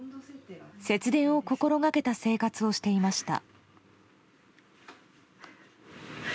節電を心掛けた生活をしていました。